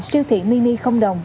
siêu thị mini không đồng